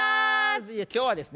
今日はですね